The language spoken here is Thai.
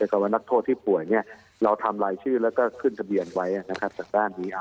แต่ว่านักโทษที่ป่วยเราทำรายชื่อแล้วก็ขึ้นทะเบียนไว้นะครับจากด้านนี้